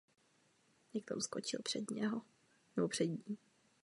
Proto také všechna ztvárnění hry mají děj umístěný v Krakově.